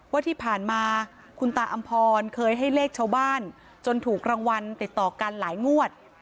ว่าที่ผ่านมาคุณตาอำพรเคยให้เลขชาวบ้านจนถูกรางวัลติดต่อกันหลายงวด